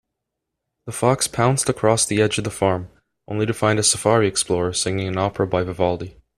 The fox pounced across the edge of the farm, only to find a safari explorer singing an opera by Vivaldi.